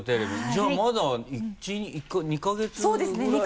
じゃあまだ２か月ぐらいですよね